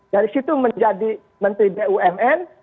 dari situ menjadi menteri bumn